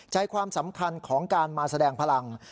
ใจความสำคัญของการมาแสดงพลัง